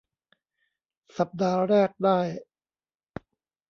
สัปดาห์แรกได้